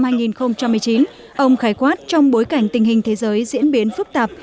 phó thủ tướng khái quát mặc dù trong bối cảnh tình hình thế giới diễn biến phức tạp